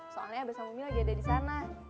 soalnya abah sama umi lagi ada di sana